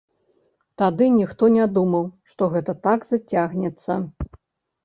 Тады ніхто не думаў, што гэта так зацягнецца.